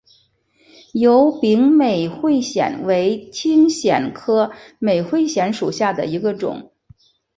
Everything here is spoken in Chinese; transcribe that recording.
疣柄美喙藓为青藓科美喙藓属下的一个种。